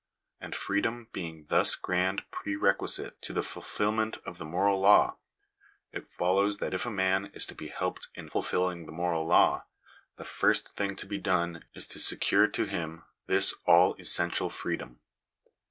And freedom being thus the grand pre requisite to the fulfilment of the moral law, it follows that if a man is to be helped in ful filling the moral law, the first thing to be done is to secure to him this all essential freedom.